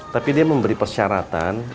tapi dia memberi persyaratan